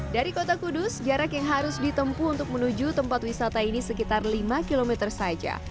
dari kota kudus jarak yang harus ditempu untuk menuju tempat wisata ini sekitar lima km saja